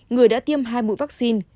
người đã tiêm hai mũi vaccine